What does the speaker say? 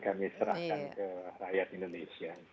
kami serahkan ke rakyat indonesia